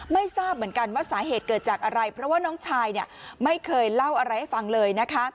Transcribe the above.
ไม่ทราบเหมือนกันว่าสาเหตุเกิดจากอะไรเพราะว่าน้องชายไม่เคยเล่าอะไรให้ฟังเลยนะคะ